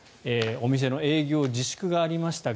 お店の営業自粛がありました。